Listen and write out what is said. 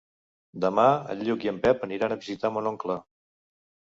Demà en Lluc i en Pep aniran a visitar mon oncle.